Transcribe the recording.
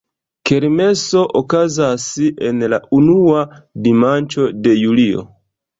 Kermeso okazas en la unua dimanĉo de julio.